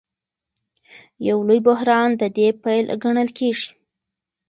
یو لوی بحران د دې پیل ګڼل کېږي.